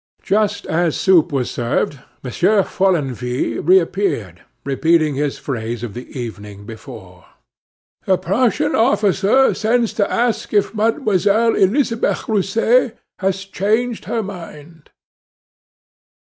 Just as soup was served, Monsieur Follenvie reappeared, repeating his phrase of the evening before: "The Prussian officer sends to ask if Mademoiselle Elisabeth Rousset has changed her mind."